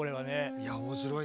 いや面白いね。